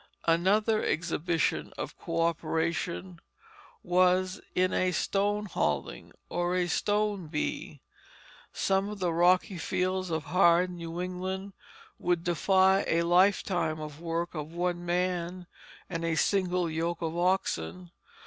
Another exhibition of coöperation was in a stone hauling or a stone bee. Some of the rocky fields of hard New England would defy a lifetime of work of one man and a single yoke of oxen.